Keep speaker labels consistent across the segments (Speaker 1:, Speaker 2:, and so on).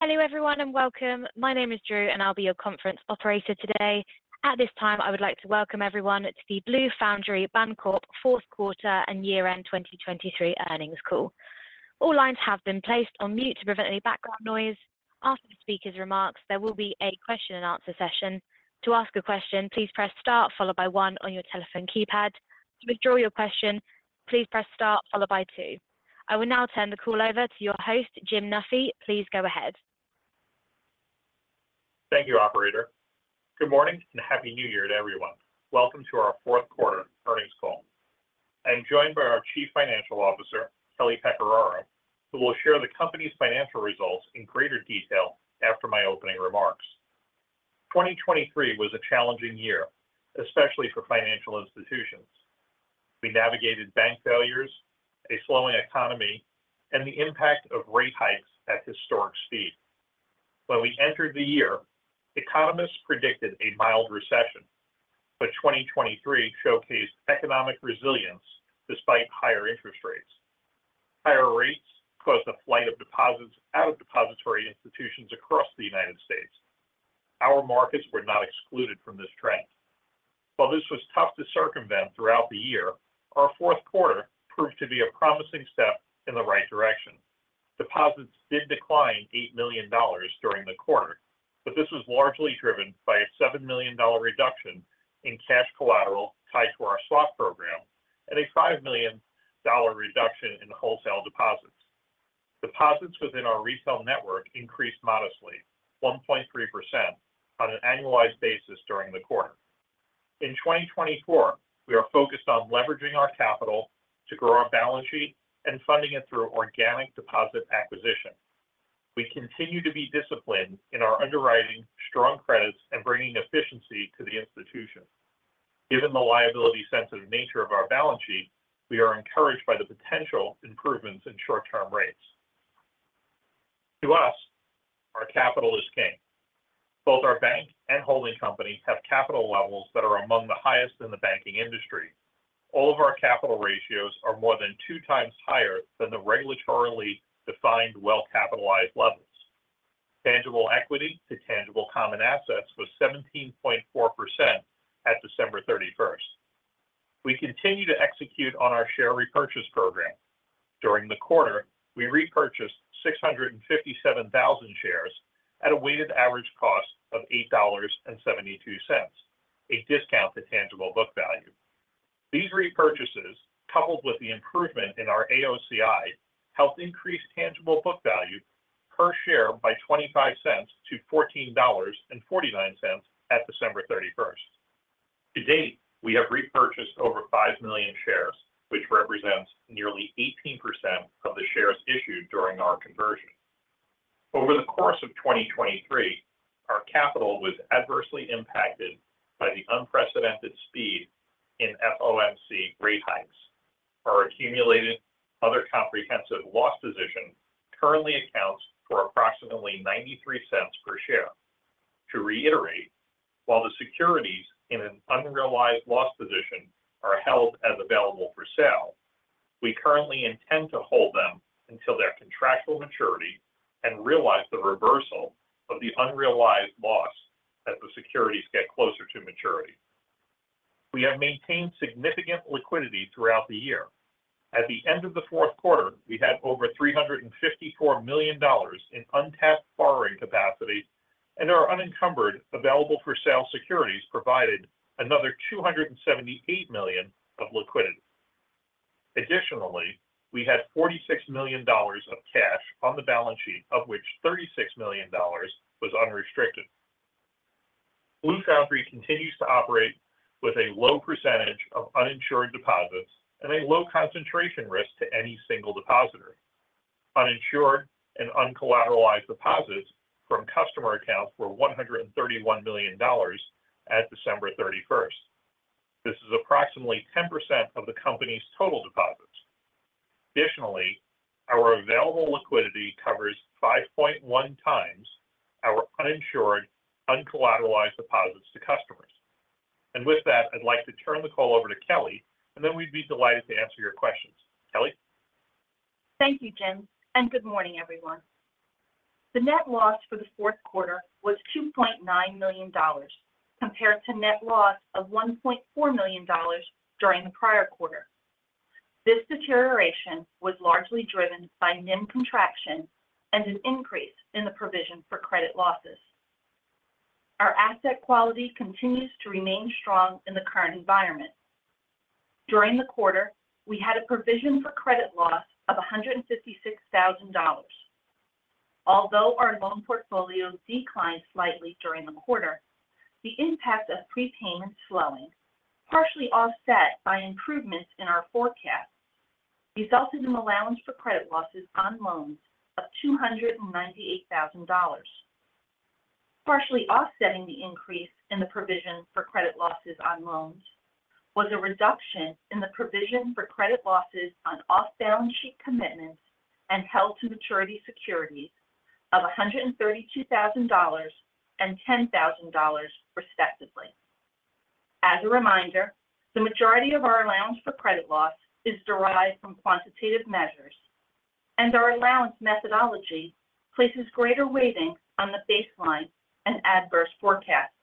Speaker 1: Hello everyone and welcome. My name is Drew, and I'll be your conference operator today. At this time, I would like to welcome everyone to the Blue Foundry Bancorp fourth quarter and year end 2023 earnings call. All lines have been placed on mute to prevent any background noise. After the speaker's remarks, there will be a question and answer session. To ask a question please press Star followed by one on your telephone keypad. To withdraw your question, please press Star followed by two. I will now turn the call over to your host Jim Nesci. Please go ahead.
Speaker 2: Thank you operator. Good morning and happy New Year to everyone. Welcome to our fourth quarter earnings call. I'm joined by our Chief Financial Officer Kelly Pecoraro who will share the company's financial results in greater detail after my opening remarks. 2023 was a challenging year, especially for financial institutions. We navigated bank failures a slowing economy, and the impact of rate hikes at historic speed. When we entered the year economists predicted a mild recession but 2023 showcased economic resilience despite higher interest rates. Higher rates caused a flight of deposits out of depository institutions across the United States. Our markets were not excluded from this trend. While this was tough to circumvent throughout the year our fourth quarter proved to be a promising step in the right direction. Deposits did decline $8 million during the quarter, but this was largely driven by a $7 million reduction in cash collateral tied to our swap program and a $5 million reduction in wholesale deposits. Deposits within our retail network increased modestly 1.3% on an annualized basis during the quarter. In 2024 we are focused on leveraging our capital to grow our balance sheet and funding it through organic deposit acquisition. We continue to be disciplined in our underwriting strong credits and bringing efficiency to the institution. Given the liability-sensitive nature of our balance sheet we are encouraged by the potential improvements in short term rates. To us, our capital is king. Both our bank and holding companies have capital levels that are among the highest in the banking industry. All of our capital ratios are more than two times higher than the regulatorily defined well-capitalized levels. Tangible equity to tangible common assets was 17.4% at December 31. We continue to execute on our share repurchase program. During the quarter we repurchased 657,000 shares at a weighted average cost of $8.72 a discount to tangible book value. These repurchases coupled with the improvement in our AOCI, helped increase tangible book value per share by $0.25 to $14.49 at December 31. To date we have repurchased over 5 million shares which represents nearly 18% of the shares issued during our conversion. Over the course of 2023 our capital was adversely impacted by the unprecedented speed in FOMC rate hikes. Our accumulated other comprehensive loss position currently accounts for approximately $0.93 per share. To reiterate while the securities in an unrealized loss position are held as available-for-sale, we currently intend to hold them until their contractual maturity and realize the reversal of the unrealized loss as the securities get closer to maturity. We have maintained significant liquidity throughout the year. At the end of the fourth quarter, we had over $354 million in untapped borrowing capacity and our unencumbered available-for-sale securities provided another $278 million of liquidity. Additionally we had $46 million of cash on the balance sheet, of which $36 million was unrestricted. Blue Foundry continues to operate with a low percentage of uninsured deposits and a low concentration risk to any single depositor. Uninsured and uncollateralized deposits from customer accounts were $131 million at December 31. This is approximately 10% of the company's total deposits. Additionally our available liquidity covers 5.1 times our uninsured, uncollateralized deposits to customers. And with that, I'd like to turn the call over to Kelly, and then we'd be delighted to answer your questions. Kelly?
Speaker 3: Thank you, Jim, and good morning, everyone. The net loss for the fourth quarter was $2.9 million, compared to net loss of $1.4 million during the prior quarter. This deterioration was largely driven by NIM contraction and an increase in the provision for credit losses. Our asset quality continues to remain strong in the current environment. During the quarter, we had a provision for credit losses of $156,000. Although our loan portfolio declined slightly during the quarter, the impact of prepayments slowing, partially offset by improvements in our forecast, resulted in allowance for credit losses on loans of $298,000. Partially offsetting the increase in the provision for credit losses on loans was a reduction in the provision for credit losses on off-balance sheet commitments and held-to-maturity securities of $132,000 and $10,000, respectively. As a reminder, the majority of our allowance for credit losses is derived from quantitative measures, and our allowance methodology places greater weighting on the baseline and adverse forecasts.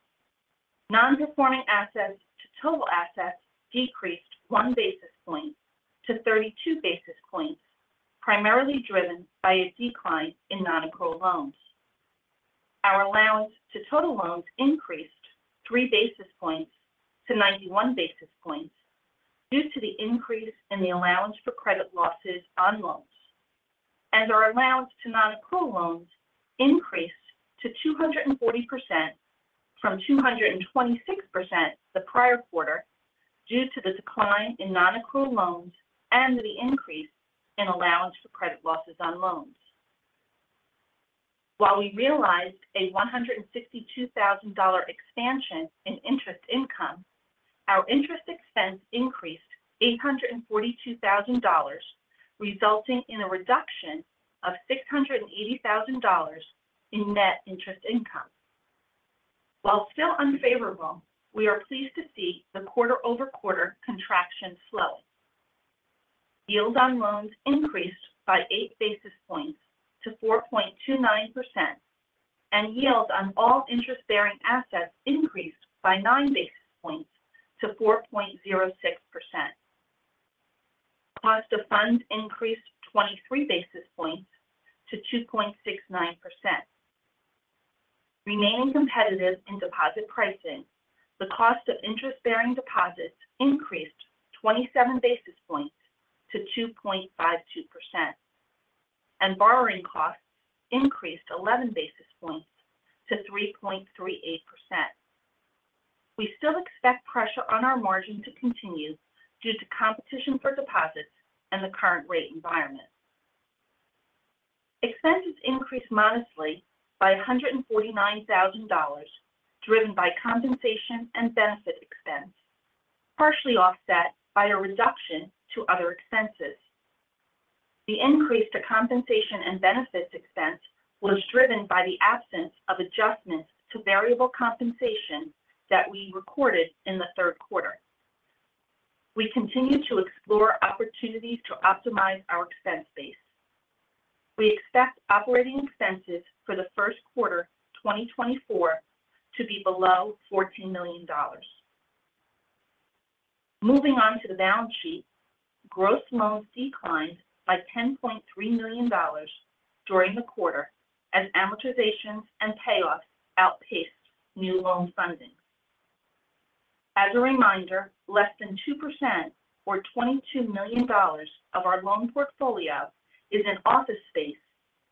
Speaker 3: Non-performing assets to total assets decreased one basis point to 32 basis points, primarily driven by a decline in nonaccrual loans. Our allowance to total loans increased 3 basis points to 91 basis points due to the increase in the allowance for credit losses on loans, and our allowance to nonaccrual loans increased to 240% from 226% the prior quarter, due to the decline in nonaccrual loans and the increase in allowance for credit losses on loans. While we realized a $162,000 expansion in interest income, our interest expense increased $842,000, resulting in a reduction of $680,000 in net interest income. While still unfavorable, we are pleased to see the quarter-over-quarter contraction slow. Yield on loans increased by 8 basis points to 4.29%, and yields on all interest-bearing assets increased by 9 basis points to 4.06%. Cost of funds increased 23 basis points to 2.69%. Remaining competitive in deposit pricing, the cost of interest-bearing deposits increased 27 basis points to 2.52%, and borrowing costs increased 11 basis points to 3.38%. We still expect pressure on our margin to continue due to competition for deposits and the current rate environment. Expenses increased modestly by $149,000 driven by compensation and benefit expense partially offset by a reduction to other expenses. The increase to compensation and benefits expense was driven by the absence of adjustments to variable compensation that we recorded in the third quarter. We continue to explore opportunities to optimize our expense base. We expect operating expenses for the first quarter 2024 to be below $14 million. Moving on to the balance sheet. Gross loans declined by $10.3 million during the quarter, as amortizations and payoffs outpaced new loan funding. As a reminder less than 2% or $22 million of our loan portfolio is in office space,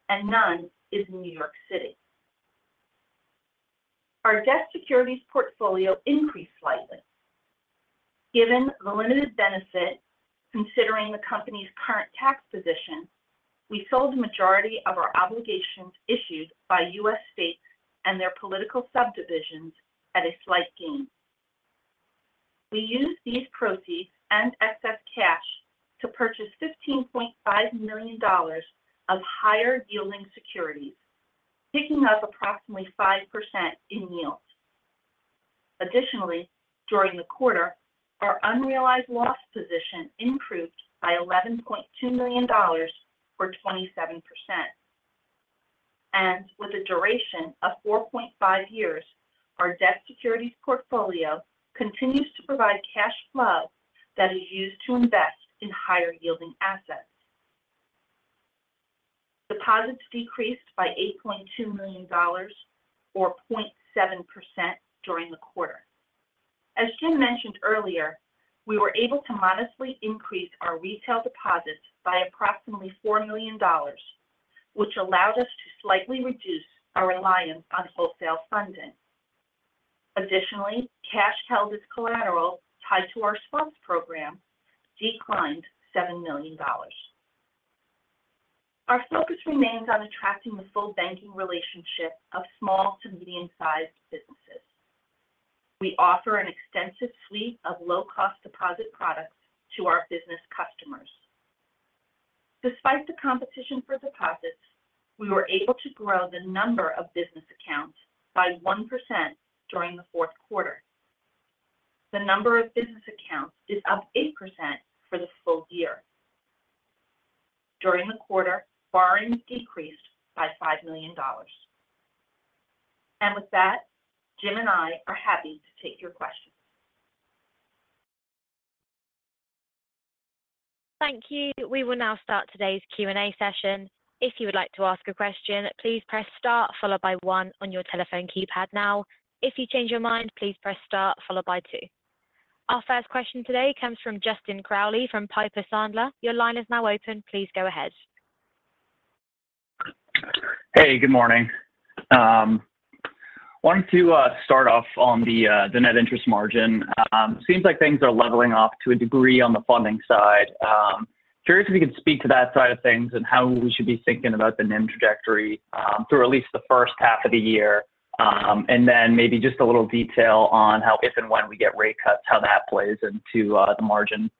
Speaker 3: and none is in New York City. Our debt securities portfolio increased slightly. Given the limited benefit, considering the company's current tax position, we sold the majority of our obligations issued by U.S. states and their political subdivisions at a slight gain. We used these proceeds and excess cash to purchase $15.5 million of higher-yielding securities, picking up approximately 5% in yields. Additionally, during the quarter, our unrealized loss position increased by $11.2 million, or 27%. With a duration of 4.5 years, our debt securities portfolio continues to provide cash flow that is used to invest in higher-yielding assets. Deposits decreased by $8.2 million or 0.7% during the quarter. As Jim mentioned earlier, we were able to modestly increase our retail deposits by approximately $4 million, which allowed us to slightly reduce our reliance on wholesale funding. Additionally, cash held as collateral tied to our swaps program declined $7 million. Our focus remains on attracting the full banking relationship of small to medium-sized businesses. We offer an extensive suite of low-cost deposit products to our business customers. Despite the competition for deposits, we were able to grow the number of business accounts by 1% during the fourth quarter. The number of business accounts is up 8% for the full year. During the quarter, borrowing decreased by $5 million. And with that Jim and I are happy to take your questions.
Speaker 1: Thank you. We will now start today's Q&A session. If you would like to ask a question, please press star followed by one on your telephone keypad now. If you change your mind, please press star followed by two. Our first question today comes from Justin Crowley from Piper Sandler. Your line is now open. Please go ahead.
Speaker 4: Hey, good morning. Wanted to start off on the Net Interest Margin. Seems like things are leveling off to a degree on the funding side. Curious if you could speak to that side of things and how we should be thinking about the NIM trajectory through at least the first half of the year. And then maybe just a little detail on how, if and when we get rate cuts, how that plays into the margin,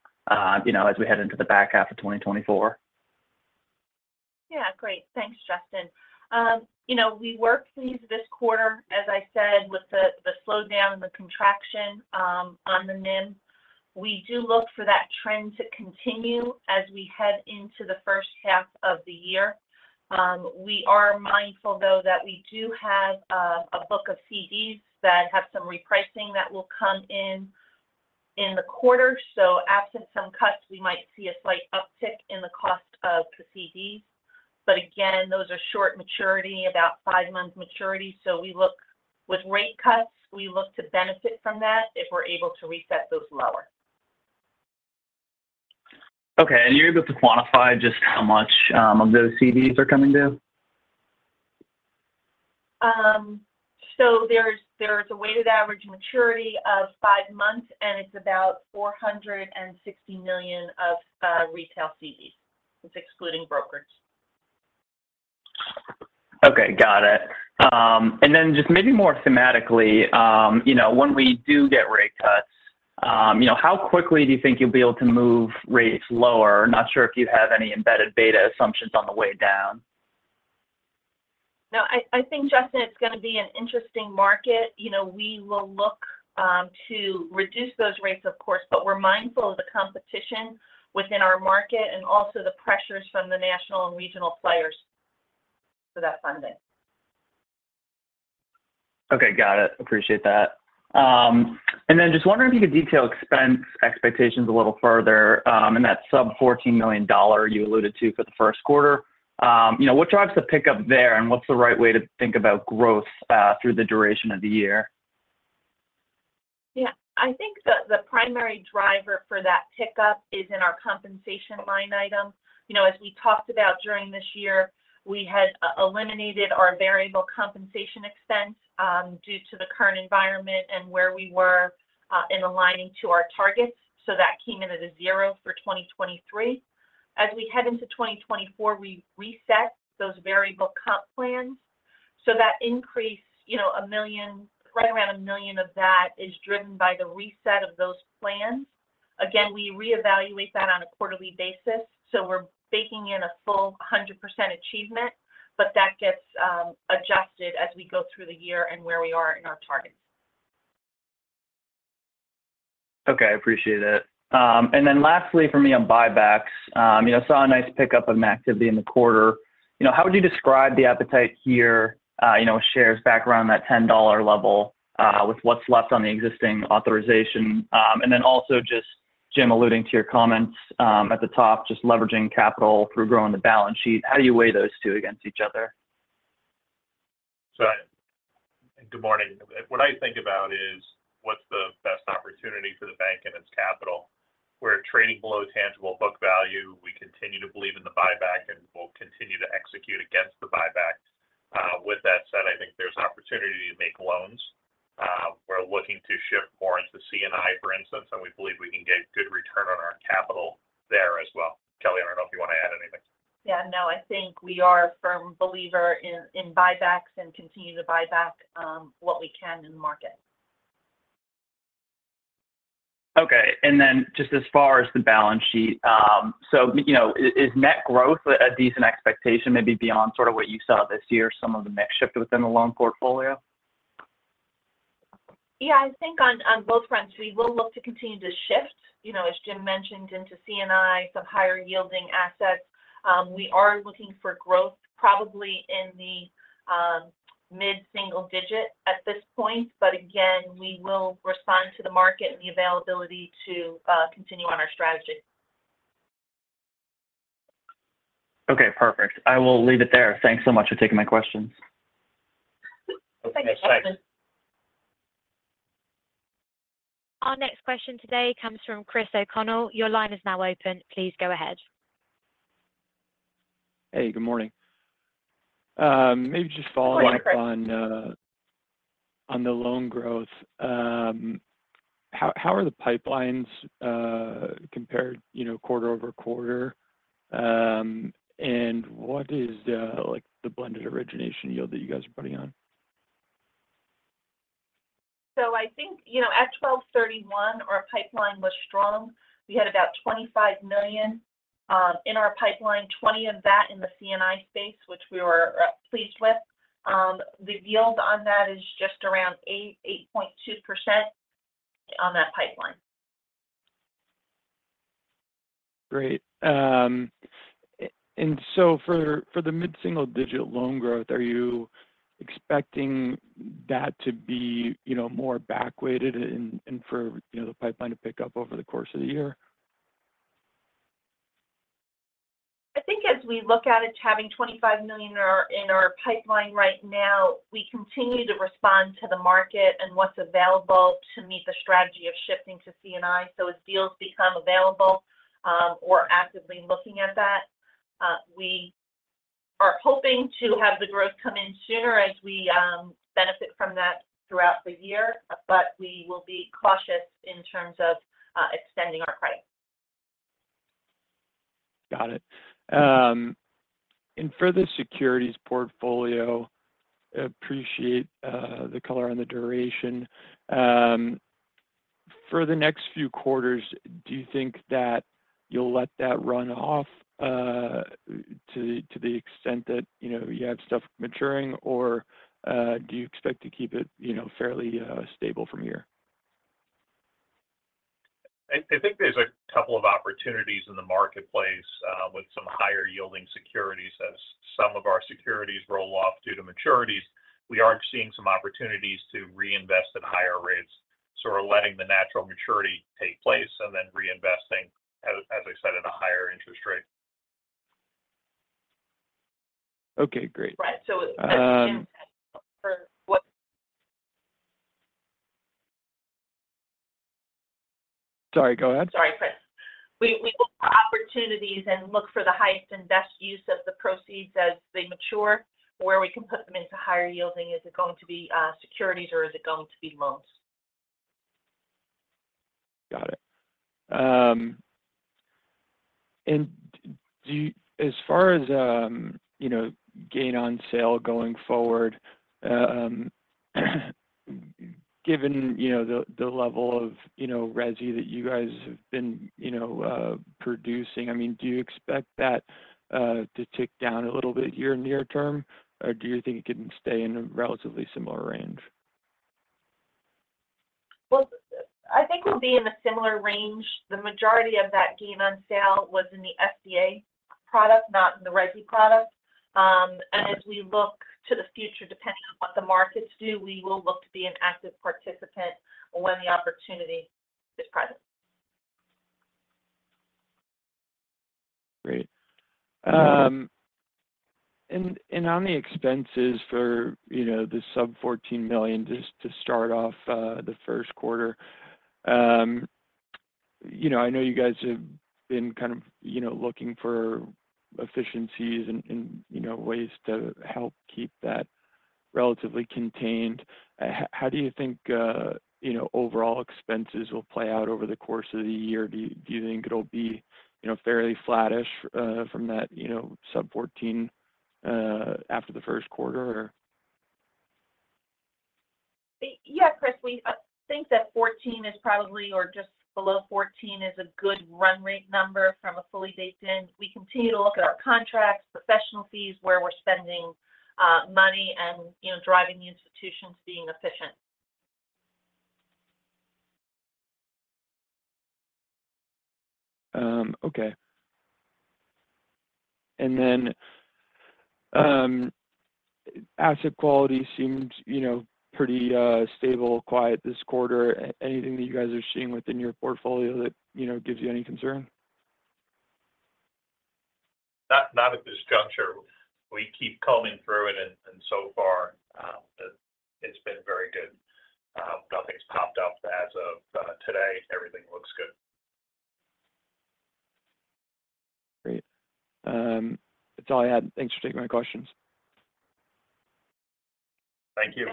Speaker 4: you know, as we head into the back half of 2024?...
Speaker 3: Yeah, great. Thanks, Justin. You know, we worked these this quarter, as I said, with the, the slowdown and the contraction, on the NIM. We do look for that trend to continue as we head into the first half of the year. We are mindful though that we do have, a book of CDs that have some repricing that will come in, in the quarter. So absent some cuts, we might see a slight uptick in the cost of the CDs. But again, those are short maturity, about five months maturity. So we look with rate cuts, we look to benefit from that if we're able to reset those lower.
Speaker 4: Okay. And you're able to quantify just how much of those CDs are coming due?
Speaker 3: So there's a weighted average maturity of 5 months, and it's about $460 million of retail CDs. That's excluding brokerage.
Speaker 4: Okay, got it. And then just maybe more thematically, you know, when we do get rate cuts, you know, how quickly do you think you'll be able to move rates lower? Not sure if you have any embedded beta assumptions on the way down.
Speaker 3: No, I, I think, Justin, it's going to be an interesting market. You know, we will look to reduce those rates of course, but we're mindful of the competition within our market and also the pressures from the national and regional players for that funding.
Speaker 4: Okay. Got it. Appreciate that. And then just wondering if you could detail expense expectations a little further, in that sub-$14 million you alluded to for the first quarter. You know, what drives the pickup there, and what's the right way to think about growth, through the duration of the year?
Speaker 3: Yeah. I think the primary driver for that pickup is in our compensation line item. You know, as we talked about during this year, we had eliminated our variable compensation expense, due to the current environment and where we were, in aligning to our targets. So that came in at a zero for 2023. As we head into 2024, we've reset those variable comp plans, so that increase, you know, $1 million—right around $1 million of that is driven by the reset of those plans. Again, we reevaluate that on a quarterly basis, so we're baking in a full 100% achievement, but that gets, adjusted as we go through the year and where we are in our targets.
Speaker 4: Okay, I appreciate it. And then lastly for me on buybacks, you know, saw a nice pickup in activity in the quarter. You know, how would you describe the appetite here, you know, shares back around that $10 level, with what's left on the existing authorization? And then also just, Jim, alluding to your comments, at the top, just leveraging capital through growing the balance sheet. How do you weigh those two against each other?
Speaker 2: Good morning. What I think about is, what's the best opportunity for the bank and its capital? We're trading below Tangible Book Value. We continue to believe in the buyback, and we'll continue to execute against the buyback. With that said, I think there's opportunity to make loans. We're looking to shift more into C&I, for instance, and we believe we can get good return on our capital there as well. Kelly, I don't know if you want to add anything.
Speaker 3: Yeah, no, I think we are a firm believer in buybacks and continue to buy back what we can in the market.
Speaker 4: Okay. And then just as far as the balance sheet, so, you know, is net growth a decent expectation, maybe beyond sort of what you saw this year, some of the mix shift within the loan portfolio?
Speaker 3: Yeah, I think on, on both fronts, we will look to continue to shift, you know, as Jim mentioned, into C&I, some higher yielding assets. We are looking for growth probably in the mid-single digit at this point. But again, we will respond to the market and the availability to continue on our strategy.
Speaker 4: Okay, perfect. I will leave it there. Thanks so much for taking my questions.
Speaker 3: Thank you, Justin.
Speaker 1: Our next question today comes from Chris O’Connell. Your line is now open. Please go ahead.
Speaker 5: Hey, good morning. Maybe just following up-
Speaker 3: Good morning, Chris....
Speaker 5: on the loan growth. How are the pipelines compared, you know, quarter-over-quarter? And what is like the blended origination yield that you guys are putting on?
Speaker 3: So I think, you know, at 12/31, our pipeline was strong. We had about $25 million in our pipeline, $20 million of that in the C&I space, which we were pleased with. The yield on that is just around 8.2% on that pipeline.
Speaker 5: Great. And so for the mid-single-digit loan growth, are you expecting that to be, you know, more backweighted and for, you know, the pipeline to pick up over the course of the year?
Speaker 3: I think as we look at it, having $25 million in our, in our pipeline right now, we continue to respond to the market and what's available to meet the strategy of shifting to CNI. So as deals become available, we're actively looking at that. We are hoping to have the growth come in sooner as we benefit from that throughout the year, but we will be cautious in terms of extending our credit.
Speaker 5: Got it. And for the securities portfolio, appreciate the color on the duration. For the next few quarters, do you think that you'll let that run off to the extent that, you know, you have stuff maturing? Or do you expect to keep it, you know, fairly stable from here?
Speaker 2: I think there's a couple of opportunities in the marketplace with some higher-yielding securities. As some of our securities roll off due to maturities, we are seeing some opportunities to reinvest at higher rates. So we're letting the natural maturity take place and then reinvesting, as I said, at a higher interest rate.
Speaker 5: Okay, great.
Speaker 3: Right. So as we can for what-
Speaker 5: Sorry, go ahead.
Speaker 3: Sorry, Chris. We, we look for opportunities and look for the highest and best use of the proceeds as they mature, where we can put them into higher yielding. Is it going to be, securities, or is it going to be loans?
Speaker 5: Got it. And do you, as far as, you know, gain on sale going forward, given, you know, the level of, you know, resi that you guys have been, you know, producing, I mean, do you expect that to tick down a little bit here near term, or do you think it can stay in a relatively similar range?
Speaker 3: Well, I think we'll be in a similar range. The majority of that gain on sale was in the SBA product, not in the resi product. And as we look to the future, depending on what the markets do, we will look to be an active participant when the opportunity is present.
Speaker 5: Great. And on the expenses for, you know, the sub-$14 million, just to start off, the first quarter. You know, I know you guys have been kind of, you know, looking for efficiencies and, you know, ways to help keep that relatively contained. How do you think, you know, overall expenses will play out over the course of the year? Do you think it'll be, you know, fairly flattish from that, you know, sub-$14 million after the first quarter, or?
Speaker 3: Yeah, Chris, we think that 14 is probably or just below 14 is a good run rate number from a fully baked in. We continue to look at our contracts, professional fees, where we're spending money and, you know, driving the institutions being efficient.
Speaker 5: Okay. And then, asset quality seemed, you know, pretty stable, quiet this quarter. Anything that you guys are seeing within your portfolio that, you know, gives you any concern?
Speaker 2: Not, not at this juncture. We keep combing through it, and so far, it's been very good. Nothing's popped up as of today. Everything looks good.
Speaker 5: Great. That's all I had. Thanks for taking my questions.
Speaker 2: Thank you.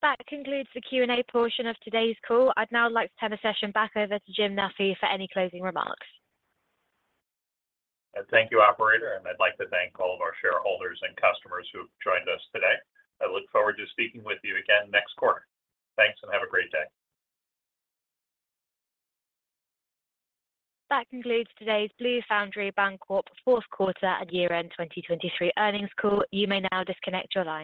Speaker 3: Thank you.
Speaker 1: That concludes the Q&A portion of today's call. I'd now like to turn the session back over to Jim Nesci for any closing remarks.
Speaker 2: Thank you, operator, and I'd like to thank all of our shareholders and customers who have joined us today. I look forward to speaking with you again next quarter. Thanks, and have a great day.
Speaker 1: That concludes today's Blue Foundry Bancorp fourth quarter and year-end 2023 earnings call. You may now disconnect your lines.